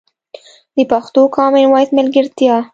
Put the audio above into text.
د پښتو کامن وایس ملګرتیا